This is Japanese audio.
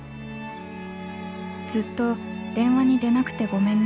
ずっと電話に出なくてごめんね」